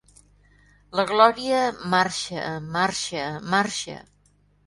La Gloria marxa, marxa, marxa.